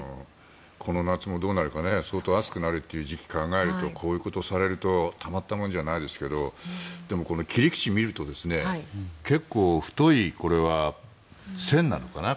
この夏もどうなるか相当暑くなるという時期を考えるとこういうことをされるとたまったもんじゃないですけどでもこの切り口を見ると結構、太いこれは線なのかな